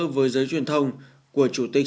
với giới truyền thông của chủ tịch